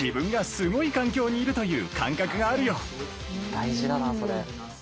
大事だなこれ。